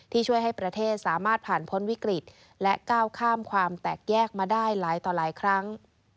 ช่วยให้ประเทศสามารถผ่านพ้นวิกฤตและก้าวข้ามความแตกแยกมาได้หลายต่อหลายครั้ง